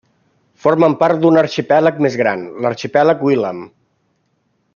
Formen part d'un arxipèlag més gran, l'arxipèlag Wilhelm.